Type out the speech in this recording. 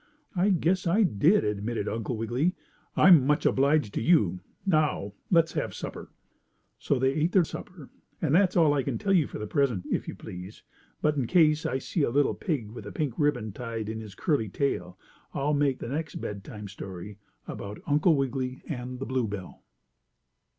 "I guess I did," admitted Uncle Wiggily. "I'm much obliged to you. Now let's have supper." So they ate their supper, and that's all I can tell you for the present, if you please. But, in case I see a little pig with a pink ribbon tied in his curly tail, I'll make the next bedtime story, about Uncle Wiggily and the bluebell.